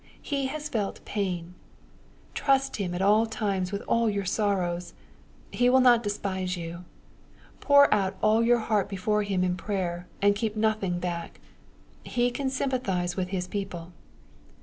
He has felt pain. Trust Him at all times with all your sorrows. He will not despise you. Pour out aU your heart before Him in prayer, and keep nothing back. He can sympathize with His people.